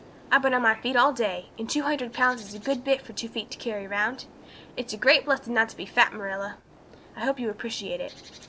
I've been on my feet all day, and two hundred pounds is a good bit for two feet to carry round. It's a great blessing not to be fat, Marilla. I hope you appreciate it.